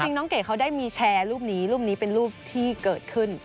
น้องเกดเขาได้มีแชร์รูปนี้รูปนี้เป็นรูปที่เกิดขึ้น